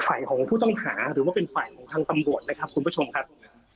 ฝ่ายของผู้ต้องหาหรือว่าเป็นฝ่ายของทางตำรวจนะครับคุณผู้ชมครับ